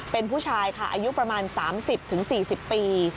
เป็นผู้ชายค่ะอายุประมาณ๓๐๔๐ปี